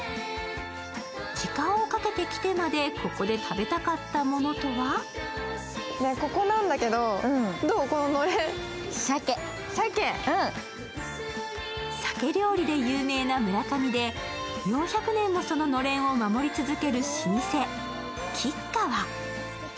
時間をかけて来てまでここで食べたかったものとは鮭料理で有名な村上で４００年もそののれんを守り続ける老舗きっかわ。